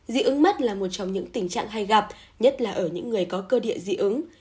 dị ứng mắt là một trong những tình trạng hay gặp nhất là ở những người có cơ địa dị ứng